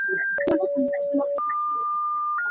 Ka um lo chung vialte kan inn na rak hngak kho hnga ma.